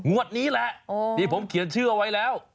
นี้แหละนี่ผมเขียนชื่อเอาไว้แล้ว